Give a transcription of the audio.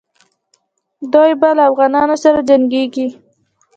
دی به له افغانانو سره جنګیږي.